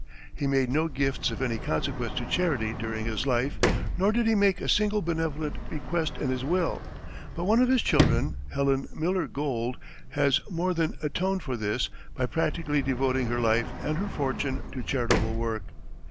He made no gifts of any consequence to charity during his life, nor did he make a single benevolent bequest in his will; but one of his children, Helen Miller Gould, has more than atoned for this by practically devoting her life and her fortune to charitable work.